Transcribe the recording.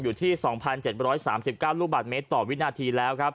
อยู่ที่๒๗๓๙ลูกบาทเมตรต่อวินาทีแล้วครับ